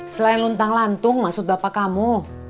selain luntang lantung maksud bapak kamu